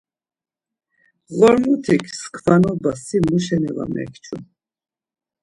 Ğormotik mskvanoba si muşeni var mekçu?